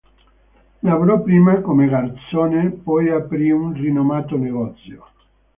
Lavorò prima come garzone, poi aprì un rinomato negozio.